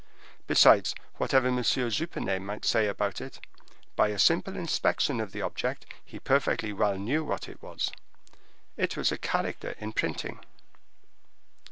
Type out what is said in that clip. Besides, whatever M. Jupenet might say about it, by a simple inspection of the object, he perfectly well knew what it was. It was a character in printing.